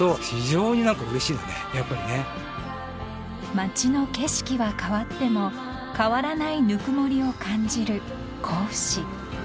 ［街の景色は変わっても変わらないぬくもりを感じる甲府市］